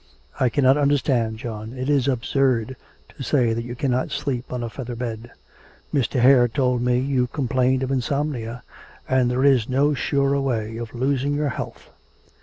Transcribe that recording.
'I cannot understand, John; it is absurd to say that you cannot sleep on a feather bed. Mr. Hare told me you complained of insomnia, and there is no surer way of losing your health.